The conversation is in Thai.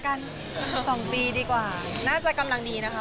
ขนาดนี้คงคงหน้าจะกำลังดีนะครับ